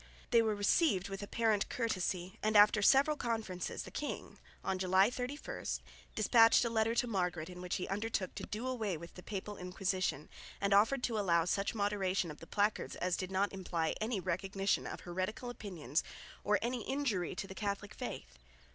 They were received with apparent courtesy, and after several conferences the king, on July 31, despatched a letter to Margaret in which he undertook to do away with the Papal Inquisition and offered to allow such moderation of the Placards as did not imply any recognition of heretical opinions or any injury to the Catholic faith.